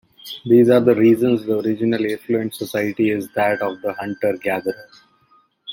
These are the reasons the original affluent society is that of the hunter-gatherer.